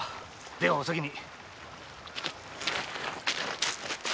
ではお先に。